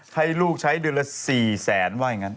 ให้ลูกใช้เดือนละ๔แสนว่าอย่างนั้น